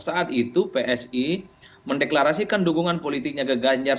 saat itu psi mendeklarasikan dukungan politiknya ke ganjar